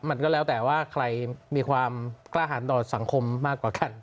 มันก็แล้วแต่ว่าใครมีความกล้าหารต่อสังคมมากกว่ากัน